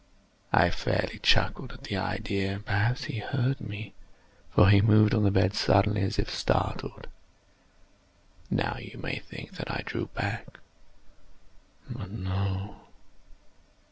I fairly chuckled at the idea; and perhaps he heard me; for he moved on the bed suddenly, as if startled. Now you may think that I drew back—but no.